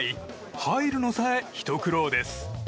入るのさえ、ひと苦労です。